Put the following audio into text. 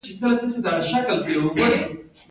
کچالو کله کله سور رنګ هم لري